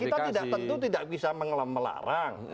kita tidak tentu tidak bisa melarang